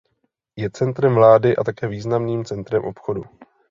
Je centrem vlády a také významným centrem obchodu.